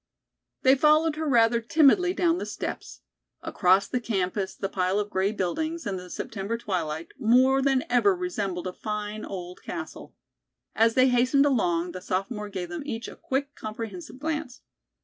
They followed her rather timidly down the steps. Across the campus the pile of gray buildings, in the September twilight, more than ever resembled a fine old castle. As they hastened along, the sophomore gave them each a quick, comprehensive glance.